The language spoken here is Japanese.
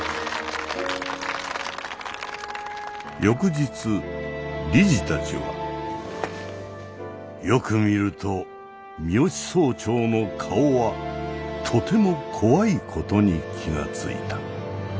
翌日理事たちはよく見ると三芳総長の顔はとても怖いことに気が付いた。